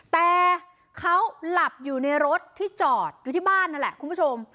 แต่เขาหลับอยู่ในรถที่จอดอยู่ที่บ้านนั่นแหละคุณผู้ชม